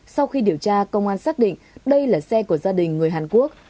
sau khi điều tra công an xác định đây là xe của gia đình người hàn quốc